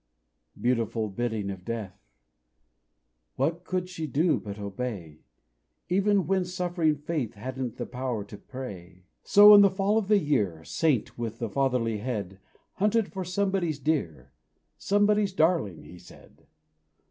_" Beautiful bidding of Death! What could she do but obey, Even when suffering Faith Hadn't the power to pray? So, in the fall of the year, Saint with the fatherly head Hunted for somebody's dear "Somebody's darling," he said.